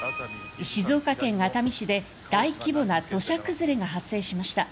静岡県熱海市で大規模な土砂崩れが発生しました。